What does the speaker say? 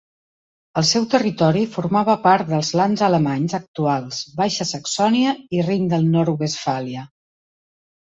El seu territori formava part dels lands alemanys actuals Baixa Saxònia i Rin del Nord-Westfàlia.